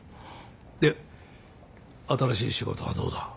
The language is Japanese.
で新しい仕事はどうだ？